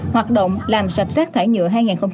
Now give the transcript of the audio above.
hoạt động làm sạch rác thải nhựa hai nghìn một mươi chín